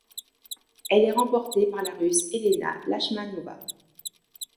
Elle est remportée par la Russe Elena Lashmanova.